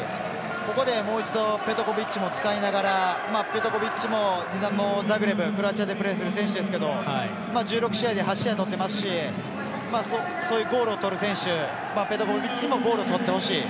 ここでもう一度ペトコビッチも使いながら、ペトコビッチもクロアチアでプレーする選手ですけど１６試合で８試合取ってますしそういうゴールを取る選手ペトコビッチにもゴールを取ってほしい。